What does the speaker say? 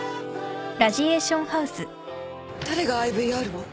誰が ＩＶＲ を？